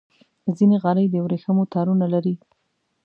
ځینې غالۍ د ورېښمو تارونو لري.